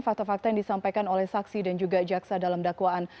fakta fakta yang disampaikan oleh saksi dan juga jaksa dalam dakwaan